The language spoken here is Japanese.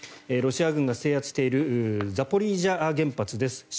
ロシア軍が制圧しているザポリージャ原発です。